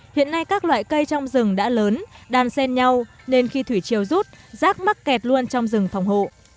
hiện nay các loại cây trong rừng đã lớn đàn sen nhau nên khi thủy chiều rút rác mắc kẹt luôn trong rừng phòng hộ